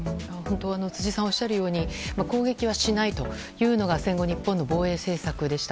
辻さんがおっしゃるように攻撃はしないというのが戦後の日本の防衛政策でした。